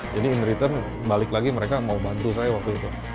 jadi in return balik lagi mereka mau bantu saya waktu itu